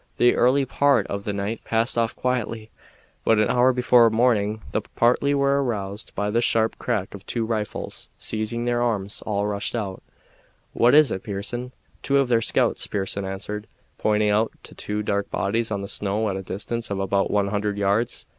The early part of the night passed off quietly, but an hour before morning the party were aroused by the sharp crack of two rifles. Seizing their arms, all rushed out. "What is it, Pearson?" "Two of their scouts," Pearson answered, pointing to two dark bodies on the snow at a distance of about one hundred yards.